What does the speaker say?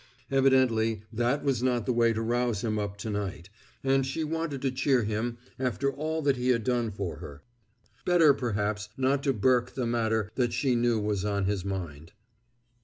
Evidently that was not the way to rouse him up to night, and she wanted to cheer him after all that he had done for her. Better perhaps not to burke the matter that she knew was on his mind.